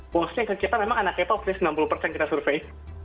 fungsinya ke kita memang anak k pop ya sembilan puluh kita survei